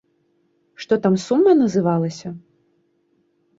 Што там сума называлася?